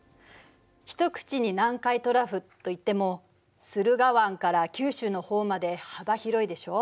一口に南海トラフといっても駿河湾から九州の方まで幅広いでしょ？